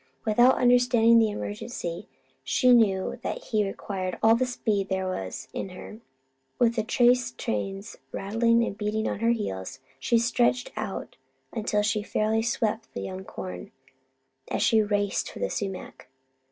Without understanding the emergency, she knew that he required all the speed there was in her; and with trace chains rattling and beating on her heels, she stretched out until she fairly swept the young corn, as she raced for the sumac.